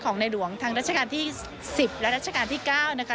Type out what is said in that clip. ของในหลวงทั้งราชการที่๑๐และราชการที่๙นะครับ